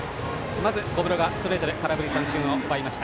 まず小室がストレートで空振り三振をとりました。